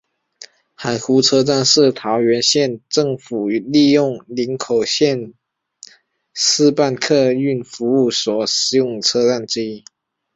海湖车站是桃园县政府利用林口线试办客运服务时所使用的车站之一。